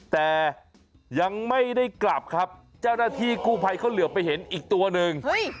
แต่ยังไม่ได้กลับครับเจ้าหน้าที่กู้ภัยเขาเหลือไปเห็นอีกตัวหนึ่ง